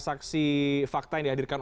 saksi fakta yang dihadirkan